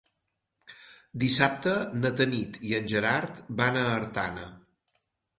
Dissabte na Tanit i en Gerard van a Artana.